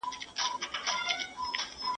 نورې مې له بل درملتونه اخیستي.